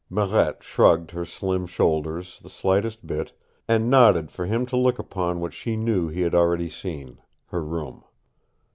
Marette shrugged her slim shoulders the slightest bit and nodded for him to look upon what she knew he had already seen, her room.